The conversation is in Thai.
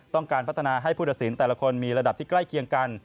ต้องการพัฒนาให้ผู้ตัดสินแต่ละคนมีระดับที่ใกล้เคียงกัน